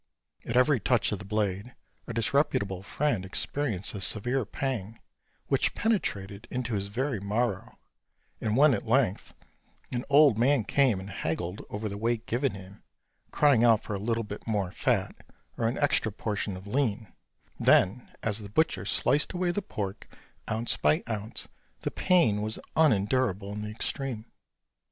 At every touch of the blade our disreputable friend experienced a severe pang, which penetrated into his very marrow; and when, at length, an old man came and haggled over the weight given him, crying out for a little bit more fat, or an extra portion of lean, then, as the butcher sliced away the pork ounce by ounce, the pain was unendurable in the extreme.